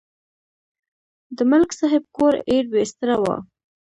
د ملک صاحب کور ایر بېستره و.